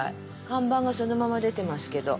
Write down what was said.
看板がそのまま出てますけど。